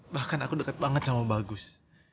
bahkan aku dekat banget sama bagus